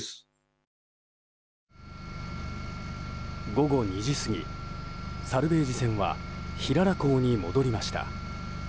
午後２時過ぎ、サルベージ船は平良港に戻りました。